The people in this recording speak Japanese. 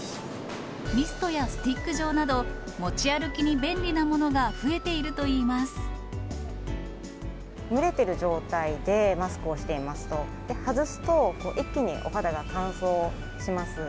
ミストやスティック状など、持ち歩きに便利なものが増えてい蒸れてる状態でマスクをしていますと、外すと一気にお肌が乾燥します。